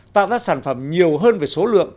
tạo ra sản phẩm nhiều hơn về số lượng